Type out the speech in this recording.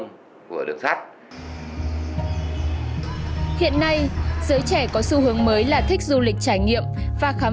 giao thông của đường sát hiện nay giới trẻ có xu hướng mới là thích du lịch trải nghiệm và khám